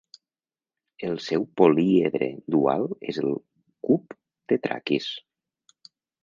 El seu políedre dual és el cub tetrakis.